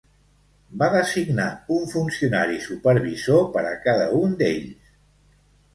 Va designar un funcionari supervisor per a cada un d'ells.